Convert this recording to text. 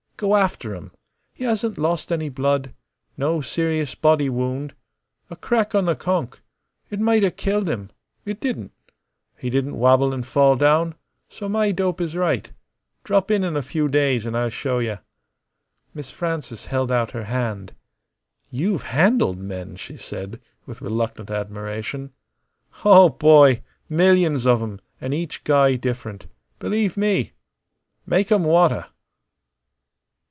Go after 'em. He hasn't lost any blood. No serious body wound. A crack on the conk. It mighta killed him. It didn't. He didn't wabble an' fall down. So my dope is right. Drop in in a few days an' I'll show yuh." Miss Frances held out her hand. "You've handled men," she said, with reluctant admiration. "Oh, boy! millions of 'em, an' each guy different. Believe me! Make 'em wanta."